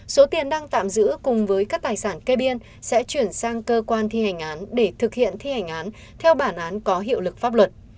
số tiền đang tạm giữ cùng với các tài sản kê biên sẽ chuyển sang cơ quan thi hành án để thực hiện thi hành án theo bản án có hiệu lực pháp luật